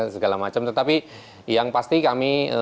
segala macam tetapi yang pasti kami